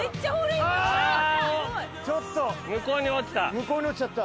向こうに落ちた。